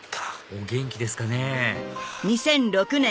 お元気ですかね？